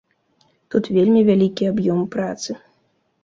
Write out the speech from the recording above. Тут вельмі вялікі аб'ём працы.